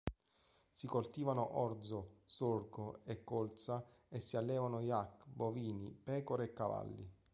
Si coltivano orzo, sorgo e colza e si allevano yak, bovini, pecore e cavalli.